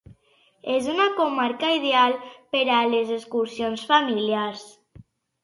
És una comarca ideal per a les excursions familiars.